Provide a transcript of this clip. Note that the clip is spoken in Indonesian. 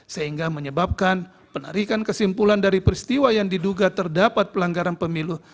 sehingga menyebabkan penarikan kesimpulan dari peristiwa yang diduga terdapat pelanggaran pemilu